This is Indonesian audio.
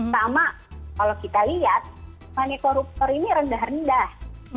sama kalau kita lihat money koruptor ini rendah rendah